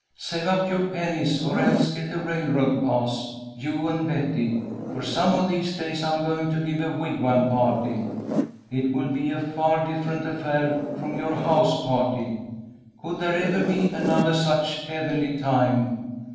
"'Save up your pennies, or else get a railroad pass, you and Betty, for some of these days I'm going to give a wigwam party. It will be a far different affair from your house party (could there ever be another such heavenly time?)